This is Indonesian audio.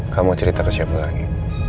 kamu cerita ke siapa lagi